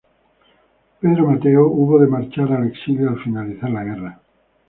Pedro Mateo hubo de marchar al exilio al finalizar la guerra.